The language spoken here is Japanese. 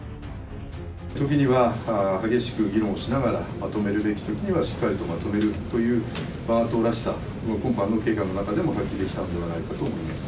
時には激しく議論をしながら、まとめるべきときにはしっかりとまとめるというわが党らしさを、今般の経過の中でも発揮できたのではないかと思います。